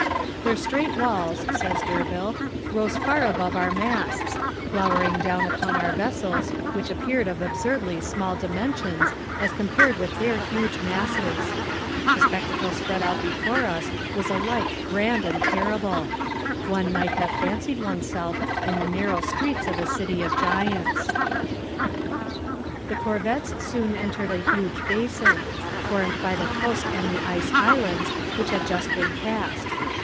"Their straight walls," says D'Urville, "rose far above our masts, glowering down upon our vessels, which appeared of absurdly small dimensions, as compared with their huge masses. The spectacle spread out before us was alike grand and terrible. One might have fancied oneself in the narrow streets of a city of giants." [Illustration: "Their straight walls rose far above our masts."] The corvettes soon entered a huge basin, formed by the coast and the ice islands which had just been passed.